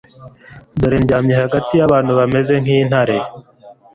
dore ndyamye hagati y'abantu bameze nk'intare